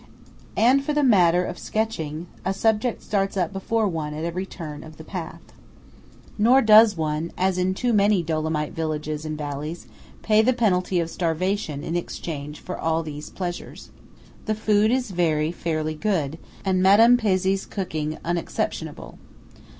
And for the matter of sketching, a subject starts up before one at every turn of the path. Nor does one, as in too many Dolomite villages and valleys, pay the penalty of starvation in exchange for all these pleasures. The food is very fairly good, and Madame Pezzé's cooking unexceptionable.